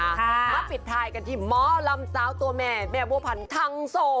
มาปิดท้ายกันที่หมอลำสาวตัวแม่แม่บัวพันธังโส